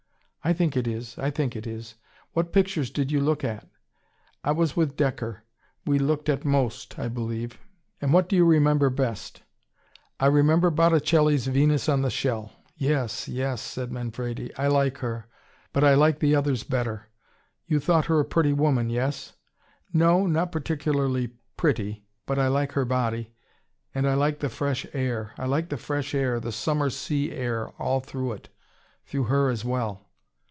"I think it is. I think it is. What pictures did you look at?" "I was with Dekker. We looked at most, I believe." "And what do you remember best?" "I remember Botticelli's Venus on the Shell." "Yes! Yes! " said Manfredi. "I like her. But I like others better. You thought her a pretty woman, yes?" "No not particularly pretty. But I like her body. And I like the fresh air. I like the fresh air, the summer sea air all through it through her as well."